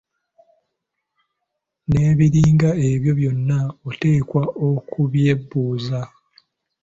N'ebiringa ebyo byonna oteekwa okubyebuuza.